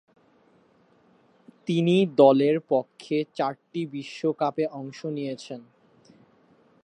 তিনি দলের পক্ষে চারটি বিশ্বকাপে অংশ নিয়েছেন।